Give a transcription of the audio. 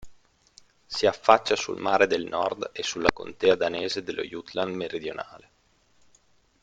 Si affaccia sul Mare del Nord e sulla contea danese dello Jutland meridionale.